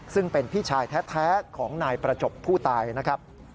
ซึ่งเป็นพี่ชายแท้ของนายประจบผู้ตายนะครับ